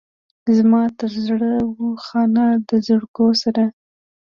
زما تر زړه و خانه د زرګو سره.